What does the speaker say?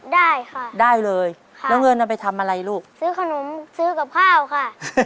ได้ค่ะได้เลยค่ะแล้วเงินเอาไปทำอะไรลูกซื้อขนมซื้อกับข้าวค่ะ